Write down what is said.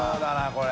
これ。